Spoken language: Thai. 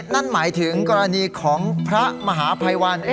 นั่นหมายถึงกรณีของพระมหาภัยวัน